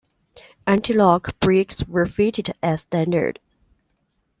Anti-lock brakes were fitted as standard.